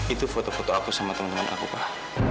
itu foto foto aku sama teman teman aku pak